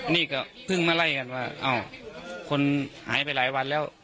นี่ก็เพิ่งมาไล่กันว่าอ้าวคนหายไปหลายวันแล้ว